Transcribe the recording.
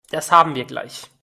Das haben wir gleich.